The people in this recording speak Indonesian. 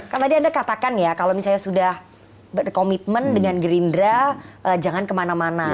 kan tadi anda katakan ya kalau misalnya sudah berkomitmen dengan gerindra jangan kemana mana